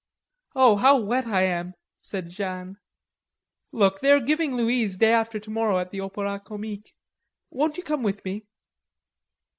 "Oh, how wet I am!" said Jeanne. "Look, they are giving Louise day after tomorrow at the Opera Comique.... Won't you come; with me?"